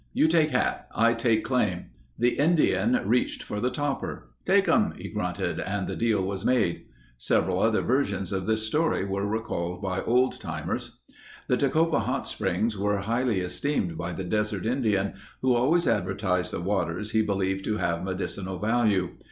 "You take hat. I take claim." The Indian reached for the topper. "Take um," he grunted and the deal was made. Several other versions of this story are recalled by old timers. The Tecopa Hot Springs were highly esteemed by the desert Indian, who always advertised the waters he believed to have medicinal value.